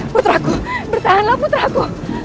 putraku bertahanlah putraku